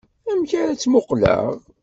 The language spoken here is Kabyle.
Amek ara tt-muqleɣ?